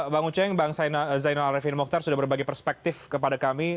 bang uceng bang zainal arifin mokhtar sudah berbagi perspektif kepada kami